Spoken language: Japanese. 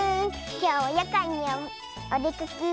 きょうはやかんにおでかけ。